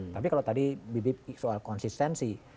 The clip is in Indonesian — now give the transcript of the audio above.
tapi kalau tadi bibip soal konsistensi